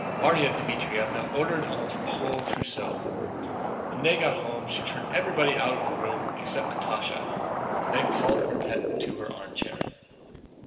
Márya Dmítrievna ordered almost the whole trousseau. When they got home she turned everybody out of the room except Natásha, and then called her pet to her armchair.